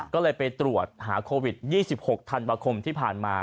ก็เลยไปตรวจหาโควิด๒๖ธันวาคมที่ผ่านมา